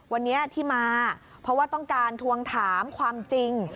วันนี้ที่มาเพราะว่าต้องการทวงถามความจริง